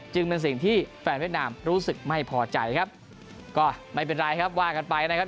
จึงเป็นสิ่งที่แฟนเวียดนามรู้สึกไม่พอใจครับก็ไม่เป็นไรครับว่ากันไปนะครับ